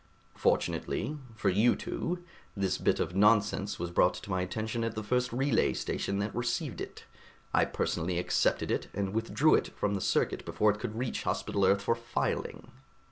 "Fortunately for you two this bit of nonsense was brought to my attention at the first relay station that received it. I personally accepted it and withdrew it from the circuit before it could reach Hospital Earth for filing."